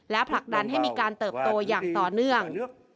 และผลักดันให้มีการเติบโตอย่างต่อเนื่อง